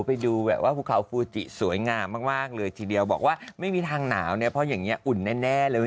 ไปดูแบบว่าภูเขาฟูจิสวยงามมากเลยทีเดียวบอกว่าไม่มีทางหนาวเนี่ยเพราะอย่างนี้อุ่นแน่เลย